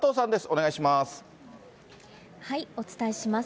お願いします。